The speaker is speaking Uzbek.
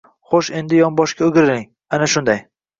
Xo‘sh endi yonboshga o‘giriling, ana shunday